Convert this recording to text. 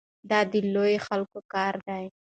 دا د لویو خلکو کار دی.